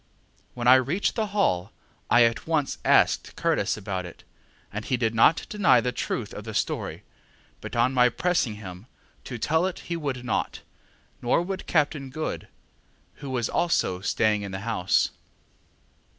When I reached the Hall, I at once asked Curtis about it, and he did not deny the truth of the story; but on my pressing him to tell it he would not, nor would Captain Good, who was also staying in the house.